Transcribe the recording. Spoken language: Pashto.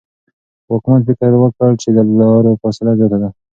واکمن فکر وکړ چې د لارو فاصله زیاته ده.